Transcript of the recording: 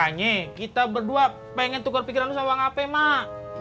makanya kita berdua pengen tukar pikiran lu sama wang apai mbak